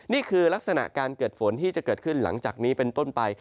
นี่คือลักษณะการเกิดฝนที่จะเกิดขึ้นหลังจากนี้เป็นต้นไป